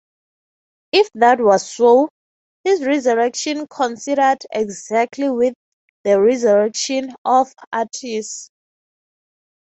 If that was so, his resurrection coincided exactly with the resurrection of Attis.